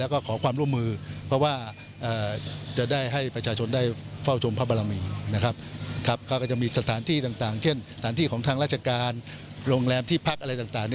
ก็จะมีสถานที่ต่างเช่นสถานที่ของทางราชการโรงแรมที่พักอะไรต่าง